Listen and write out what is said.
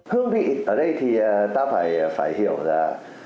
hương vị ở đây thì ta phải hiểu ra